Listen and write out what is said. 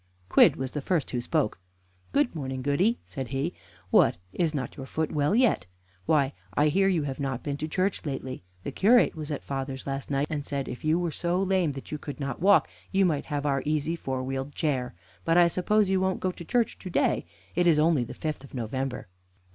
Quidd was the first who spoke. "Good morning, Goody," said he. "What, is not your foot well yet? Why, I hear you have not been to church lately. The curate was at father's last night, and said if you were so lame that you could not walk, you might have our easy four wheeled chair. But I suppose you won't go to church to day it is only the fifth of November?"